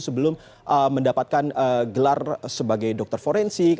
sebelum mendapatkan gelar sebagai dokter forensik